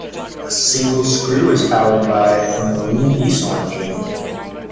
A single screw is powered by a marine diesel engine.